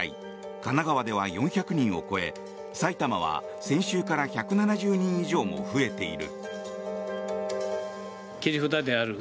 神奈川では４００人を超え埼玉は先週から１７０人以上も増えている。